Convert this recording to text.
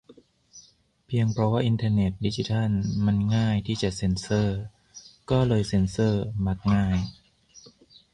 เพียงเพราะว่าอินเทอร์เน็ต-ดิจิทัล มัน "ง่าย" ที่จะเซ็นเซอร์ ก็เลยเซ็นเซอร์ ?"มักง่าย"